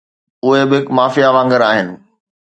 . اهي به هڪ مافيا وانگر آهن